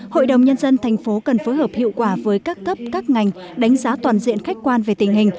hội đồng nhân dân thành phố cần phối hợp hiệu quả với các cấp các ngành đánh giá toàn diện khách quan về tình hình